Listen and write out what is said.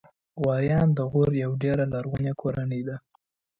غوریان د غور یوه ډېره لرغونې کورنۍ ده.